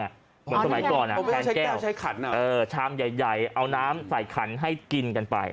เหมือนสมัยก่อนแทนแก้วชามใหญ่เอาน้ำใส่ขันให้กินกันไป